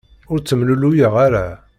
Ur ttemlelluyeɣ ara.